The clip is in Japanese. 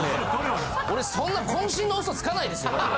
俺そんな渾身の嘘つかないですよ。